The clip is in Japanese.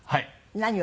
何を？